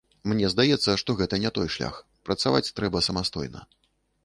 Мне здаецца, што гэта не той шлях, працаваць трэба самастойна.